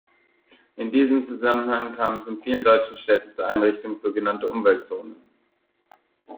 In diesem Zusammenhang kam es in vielen deutschen Städten zur Einrichtung sogenannter Umweltzonen.